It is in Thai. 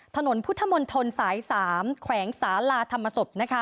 ถนนพุทธมนตรสาย๓แขวงศาลาธรรมศพ